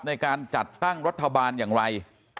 ในการจัดตั้งรัฐบาลอย่างไร